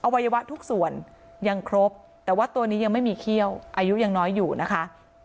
วัยวะทุกส่วนยังครบแต่ว่าตัวนี้ยังไม่มีเขี้ยวอายุยังน้อยอยู่นะคะ